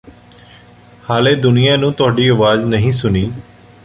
ਹਾਲੇ ਦੁਨੀਆਂ ਨੂੰ ਤੁਹਾਡੀ ਆਵਾਜ਼ ਨਹੀਂ ਸੁਣੀ